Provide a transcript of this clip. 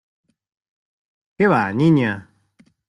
¡ qué va, Niña!